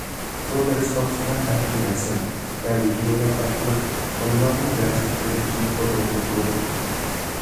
تور دەرسخانىسىدا ھەر خىل رەسىم ۋە ۋىدىيولار ئارقىلىق بالىلارنىڭ دەرسكە قىزىقىشىنى قوزغىغىلى بولىدۇ.